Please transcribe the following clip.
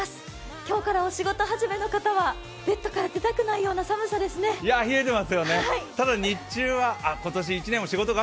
今日からお仕事始めの方はベッドから出たくないような港区竹芝からお伝えします。